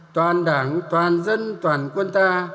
toàn đảng toàn dân toàn quân ta